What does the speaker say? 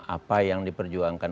apa yang diperjuangkan